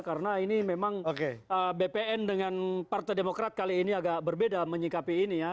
karena ini memang bpn dengan partai demokrat kali ini agak berbeda menyikapi ini ya